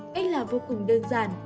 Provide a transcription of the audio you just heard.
cách làm vô cùng đơn giản